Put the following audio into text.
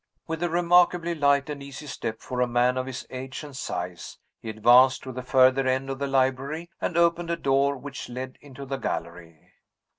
With a remarkably light and easy step for a man of his age and size, he advanced to the further end of the library, and opened a door which led into the gallery.